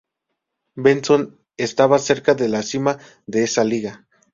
Benson estaba cerca de la cima de esa liga.